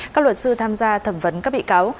các luật sư tham gia thẩm vấn các bị cáo